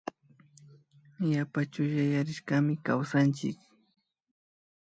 Yapa chullayarishkami kawsanchik